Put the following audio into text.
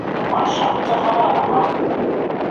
د تنفسي سیستم د پیاوړتیا لپاره سندرې ګټورې دي.